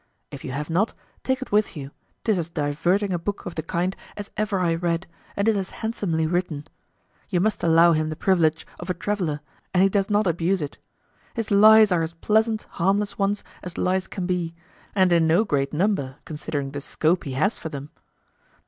If you have not, take it with you, 'tis as diverting a book of the kind as ever I read, and is as handsomely written. You must allow him the privilege of a traveller, and he does not abuse it. His lies are as pleasant harmless ones, as lies can be, and in no great number considering the scope he has for them.